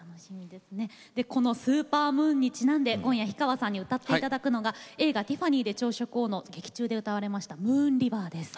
このスーパームーンにちなんで今夜、氷川さんに歌っていただくのが映画「ティファニーで朝食を」の劇中で歌われました「ムーン・リバー」です。